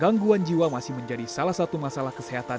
gangguan jiwa masih menjadi salah satu masalah kesehatan